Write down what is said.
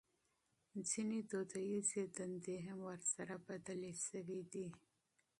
ځينې دوديزې دندې هم ورسره بدلې شوې دي.